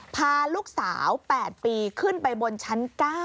พาลูกสาว๘ปีขึ้นไปบนชั้น๙